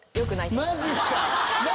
マジっすか！？